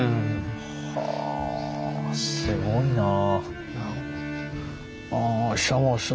はぁすごいなあ。